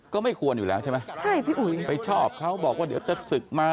ก็ไม่ควรอยู่แล้วใช่ไหมไปชอบเขาบอกว่าเดี๋ยวจะศึกมา